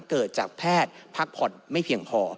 เกิดจากแพทย์พักผ่อนไม่เพียงพอ